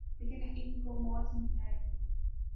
لیکن ان کوموت نہیں آئے گی